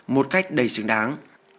một cách đầy xứng đáng